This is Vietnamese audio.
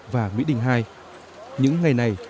và mỹ đình hai những ngày này